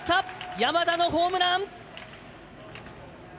山田のホームラン。